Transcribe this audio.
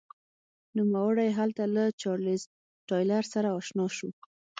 نوموړی هلته له چارلېز ټایلر سره اشنا شو.